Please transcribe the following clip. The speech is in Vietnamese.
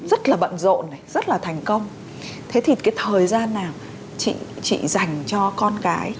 rất là bận rộn này rất là thành công thế thì cái thời gian nào chị dành cho con cái